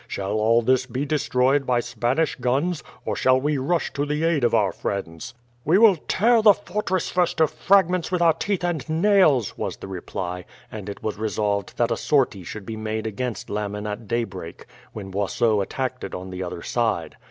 Shall all this be destroyed by Spanish guns, or shall we rush to the aid of our friends?" "We will tear the fortress first to fragments with our teeth and nails," was the reply; and it was resolved that a sortie should be made against Lammen at daybreak, when Boisot attacked it on the other side.